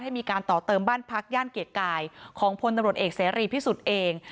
มีการต่อเติมบ้านพักย่านเกียรติกายของพลตำรวจเอกเสรีพิสุทธิ์เอง